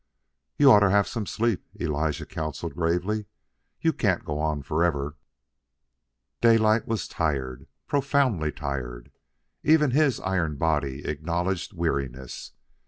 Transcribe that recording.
"You oughter have some sleep," Elijah counselled gravely. "You can't go on forever." Daylight was tired, profoundly tired. Even his iron body acknowledged weariness.